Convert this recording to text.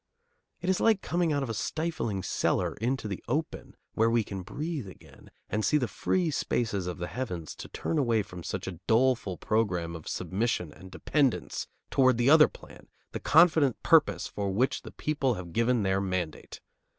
It is like coming out of a stifling cellar into the open where we can breathe again and see the free spaces of the heavens to turn away from such a doleful program of submission and dependence toward the other plan, the confident purpose for which the people have given their mandate.